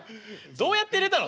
どうやって入れたの？